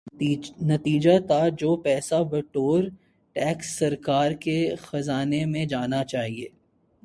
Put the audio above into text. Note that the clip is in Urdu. نتیجتا جو پیسہ بطور ٹیکس سرکار کے خزانے میں جانا چاہیے۔